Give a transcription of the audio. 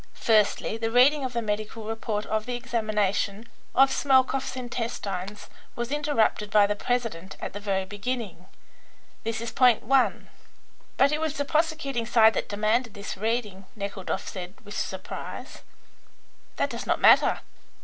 Firstly, the reading of the medical report of the examination of Smelkoff's intestines was interrupted by the president at the very beginning. This is point one." "But it was the prosecuting side that demanded this reading," Nekhludoff said, with surprise. "That does not matter.